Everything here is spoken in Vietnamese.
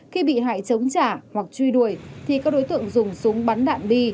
khi bị hại chống trả hoặc truy đuổi thì các đối tượng dùng súng bắn đạn bi